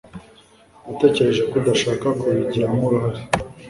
natekereje ko udashaka kubigiramo uruhare